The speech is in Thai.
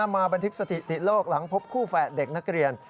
บันทึกสถิติโลกหลังพบคู่แฝดเด็กนักเรียน